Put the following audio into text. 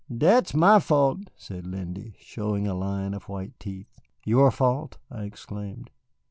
Dat's my fault," said Lindy, showing a line of white teeth. "Your fault," I exclaimed.